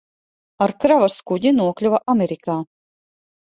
Ar kravas kuģi nokļuva Amerikā.